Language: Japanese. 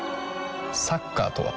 サッカーとは？